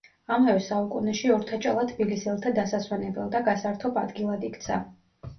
ამავე საუკუნეში ორთაჭალა თბილისელთა დასასვენებელ და გასართობ ადგილად იქცა.